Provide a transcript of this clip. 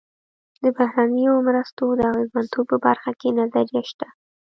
د بهرنیو مرستو د اغېزمنتوب په برخه کې نظریه شته.